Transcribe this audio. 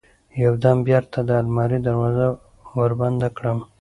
يو دم بېرته د المارى دروازه وربنده کړم.